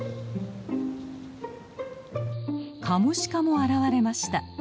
カモシカも現れました。